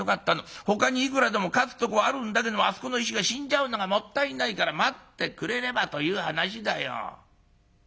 ほかにいくらでも勝つとこはあるんだけどもあそこの石が死んじゃうのがもったいないから待ってくれればという話だよ。